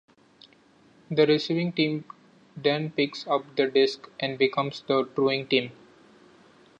The receiving team then picks up the disc and becomes the throwing team.